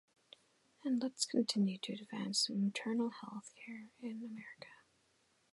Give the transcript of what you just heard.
And let’s continue to advance maternal health care in America.